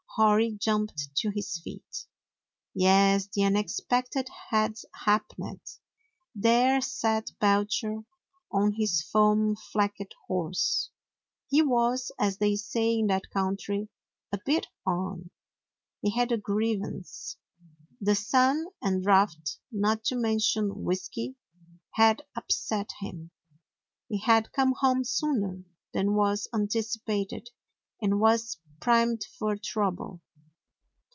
Hori jumped to his feet. Yes, the unexpected had happened. There sat Belcher on his foam flecked horse. He was, as they say in that country, "a bit on." He had a grievance. The sun and drought, not to mention whisky, had upset him. He had come home sooner than was anticipated and was primed for trouble.